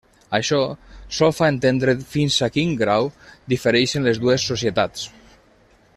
Això sol fa entendre fins a quin grau difereixen les dues societats.